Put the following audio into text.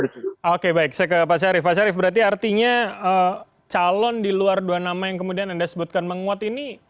oke baik saya ke pak syarif pak syarif berarti artinya calon di luar dua nama yang kemudian anda sebutkan menguat ini